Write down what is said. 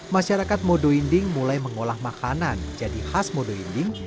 masyarakat modo inding mulai mengolah makanan jadi khas modo inding